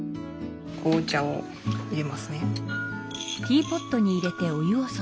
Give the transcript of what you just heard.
紅茶をいれますね。